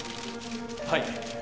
はい。